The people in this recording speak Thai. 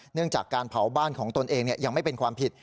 เนื่องจากการเผาบ้านของตนเองยังไม่เป็นความผิด